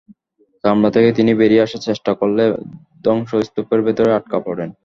কামরা থেকে তিনি বেরিয়ে আসার চেষ্টা করলে ধ্বংসস্তূপের ভেতর আটকা পড়েন।